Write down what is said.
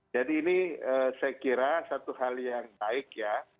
jadi ini saya kira satu hal yang baik ya